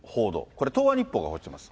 これ、東亜日報が報じてます。